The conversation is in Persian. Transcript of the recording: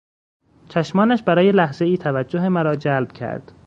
چشمانش برای لحظهای توجه مرا جلب کرد.